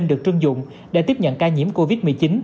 được trưng dụng để tiếp nhận ca nhiễm covid một mươi chín